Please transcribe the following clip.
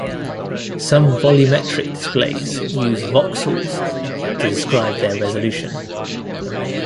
Some volumetric displays use voxels to describe their resolution.